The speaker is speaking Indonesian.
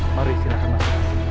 mari silahkan masuk